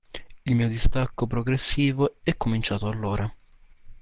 Il mio distacco progressivo è cominciato allora.